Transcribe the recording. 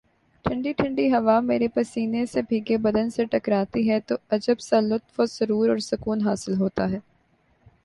ٹھنڈی ٹھنڈی ہوا میرے پسینے سے بھیگے بدن سے ٹکراتی ہے تو عجب سا لطف و سرو ر اور سکون حاصل ہوتا ہے